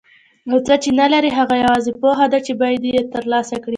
او څه چې نه لري هغه یوازې پوهه ده چې باید یې ترلاسه کړي.